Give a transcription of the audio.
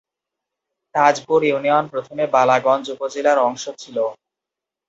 Tajpur union প্রথমে বালাগঞ্জ উপজেলার অংশ ছিল।